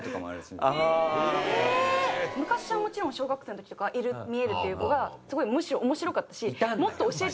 昔はもちろん小学生の時とかは「いる」「見える」って言う子がすごいむしろ面白かったし。